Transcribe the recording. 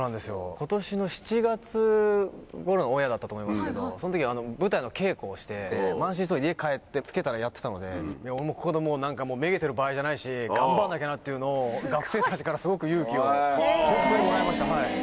ことしの７月ごろのオンエアだったと思いますけど、そのとき、舞台の稽古をして、満身創痍で家帰って、つけたらやってたので、俺もここでなんかもう、めげてる場合じゃないし、頑張んなきゃなっていうのを、学生たちからすごく勇気を、本当にもらいました。